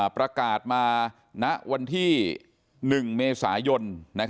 ประกาศมาณวันที่๑เมษายน